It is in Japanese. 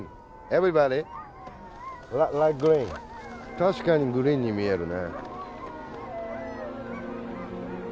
確かにグリーンに見えるね。